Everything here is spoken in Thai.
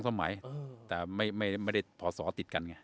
สมัยแต่ไม่ได้พอสอติดกันไง